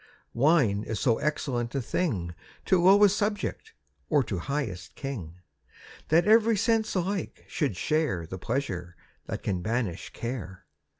Wine is so excellent a thing To lowest subject, or to highest king, That every sense alike should share The pleasure that can banish care.